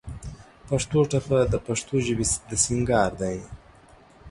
پښتو ټپه د پښتو ژبې د سينګار دى.